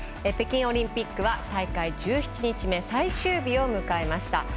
北京オリンピックは大会１７日目最終日を迎えました。